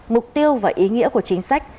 mục tiêu và ý nghĩa của chính sách